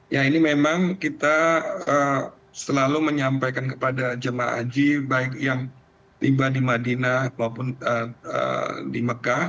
ya ini memang kita selalu menyampaikan kepada jemaah haji baik yang tiba di madinah maupun di mekah